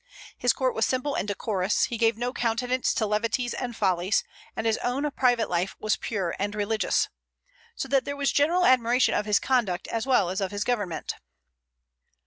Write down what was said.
His court was simple and decorous; he gave no countenance to levities and follies, and his own private life was pure and religious, so that there was general admiration of his conduct as well as of his government.